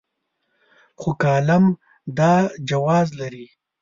خو کالم دا جواز لري.